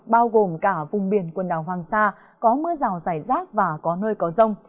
bao gồm cả vùng biển quần đảo hoàng sa có mưa rào rải rác và có nơi có rông